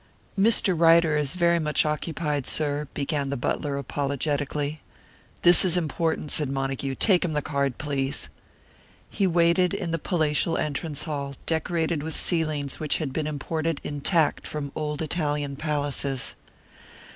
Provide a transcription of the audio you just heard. "Mr. Ryder is very much occupied, sir " began the butler, apologetically. "This is important," said Montague. "Take him the card, please." He waited in the palatial entrance hall, decorated with ceilings which had been imported intact from old Italian palaces.